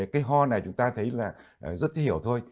cái ho này chúng ta thấy là rất thi hiểu thôi